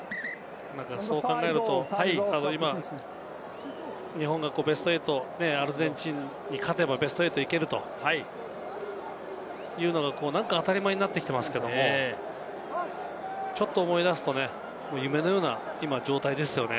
そう考えると日本がベスト８、アルゼンチンに勝てばベスト８に行けるというのがなんか当たり前になってきていますけど、ちょっと思い出すと夢のような今の状態ですよね。